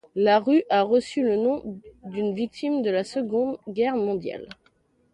La rue a reçu le nom d'une victime de la Seconde Guerre mondiale.